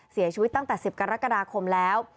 เสียชีวิตตั้งแต่๑๐กรกฎาคมแล้ว